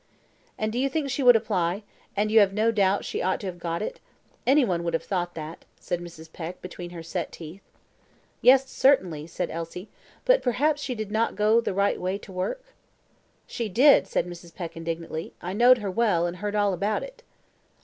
"And you think she would apply; and you have no doubt that she ought to have got it? Any one would have thought that," said Mrs. Peck, between her set teeth. "Yes, certainly," said Elsie; "but perhaps she did not go the right way to work?" "She did," said Mrs. Peck, indignantly. "I knowed her well, and heard all about it."